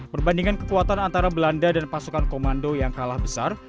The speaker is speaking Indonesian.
perbandingan kekuatan antara belanda dan pasukan komando yang kalah besar